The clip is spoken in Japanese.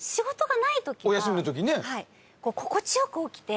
お休みの時ね。